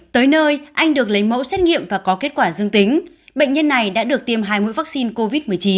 tới nơi anh được lấy mẫu xét nghiệm và có kết quả dương tính bệnh nhân này đã được tiêm hai mũi vaccine covid một mươi chín